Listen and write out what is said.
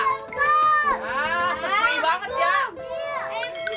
masuk masuk masuk masuk